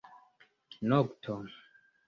Nokto.